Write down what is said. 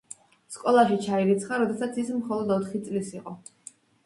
სკოლაში ჩაირიცხა, როდესაც ის მხოლოდ ოთხი წლის იყო.